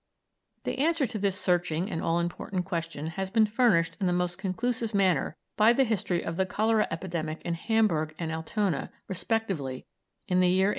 The answer to this searching and all important question has been furnished in the most conclusive manner by the history of the cholera epidemic in Hamburg and Altona respectively in the year 1892.